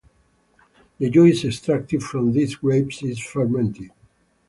The juice extracted from these grapes is fermented.